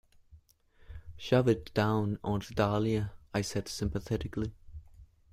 "Shove it down, Aunt Dahlia," I said sympathetically.